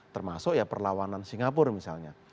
termasuk ya perlawanan singapura misalnya